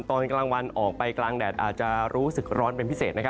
ตอนกลางวันออกไปกลางแดดอาจจะรู้สึกร้อนเป็นพิเศษ